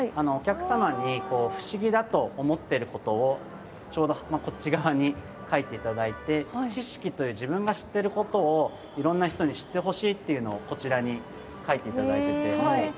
お客様に不思議だと思ってる事をちょうどこっち側に書いて頂いて知識という自分が知ってる事を色んな人に知ってほしいっていうのをこちらに書いて頂いてて。